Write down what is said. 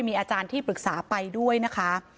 มีอาจารย์ที่ปรึกษาไปด้วยนะคะ